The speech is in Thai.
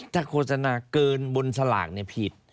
ถ้าโฆษณาเกินบนสลากผิด